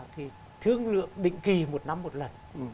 thì thương lượng định kỳ một năm một lần